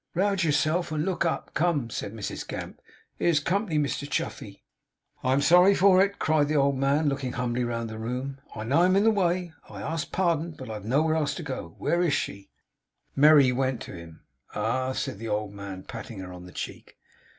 'Rouge yourself, and look up! Come!' said Mrs Gamp. 'Here's company, Mr Chuffey.' 'I am sorry for it,' cried the old man, looking humbly round the room. 'I know I'm in the way. I ask pardon, but I've nowhere else to go to. Where is she?' Merry went to him. 'Ah!' said the old man, patting her on the check.